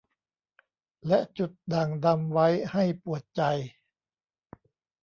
และจุดด่างดำไว้ให้ปวดใจ